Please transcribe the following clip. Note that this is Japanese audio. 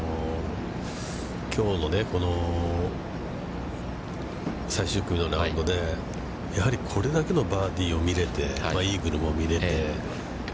きょうのこの最終組のラウンドで、やはりこれだけのバーディーを見られて、イーグルも見れて。